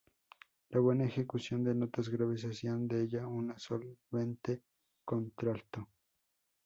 La buena ejecución de notas graves hacían de ella una solvente contralto.